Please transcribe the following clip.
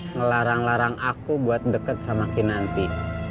ngelarang larang aku buat deket sama kinanti